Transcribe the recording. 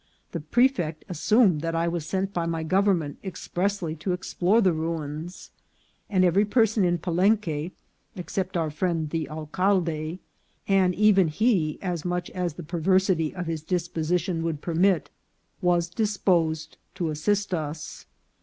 The prefect assumed that I was sent by my government expressly to explore the ruins ; and every person in Palenque except our friend the alcalde, and even he as much as the perversity of his disposi tion would permit, was disposed to assist us.